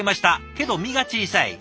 けど身が小さい」。